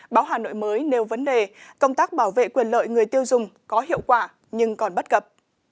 báo hà nội mới nêu vấn đề công tác bảo vệ quyền lợi người tiêu dùng có hiệu quả nhưng còn bất cập